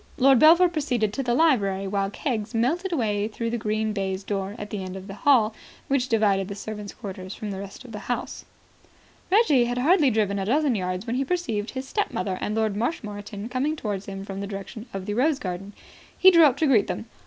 Lord Belpher proceeded to the library, while Keggs melted away through the green baize door at the end of the hall which divided the servants' quarters from the rest of the house. Reggie had hardly driven a dozen yards when he perceived his stepmother and Lord Marshmoreton coming towards him from the direction of the rose garden. He drew up to greet them.